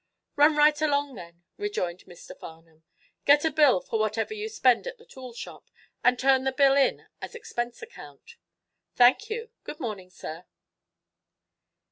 '" "Run right along then," rejoined Mr. Farnum. "Get a bill for whatever you spend at the toolshop and turn the bill in as expense account." "Thank you. Good morning, sir."